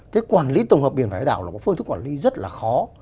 cái quản lý tổng hợp biển hải đảo là một phương thức quản lý rất là khó